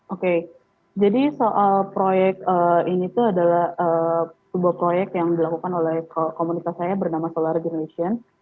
oke jadi soal proyek ini tuh adalah sebuah proyek yang dilakukan oleh komunitas saya bernama solar generation